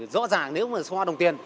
rõ ràng nếu mà soa đồng tiền